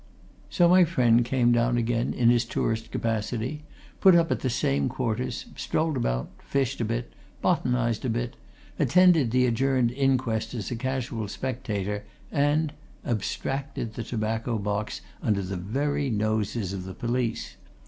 So my friend came down again, in his tourist capacity; put up at the same quarters, strolled about, fished a bit, botanized a bit, attended the adjourned inquest as a casual spectator, and abstracted the tobacco box under the very noses of the police!